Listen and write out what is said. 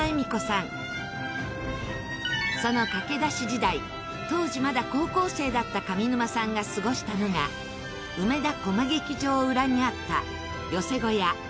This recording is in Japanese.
その駆け出し時代当時まだ高校生だった上沼さんが過ごしたのが梅田コマ劇場裏にあった寄席小屋トップホットシアター。